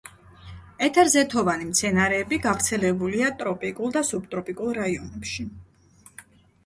ეთერზეთოვანი მცენარეები გავრცელებულია ტროპიკულ და სუბტროპიკულ რაიონებში.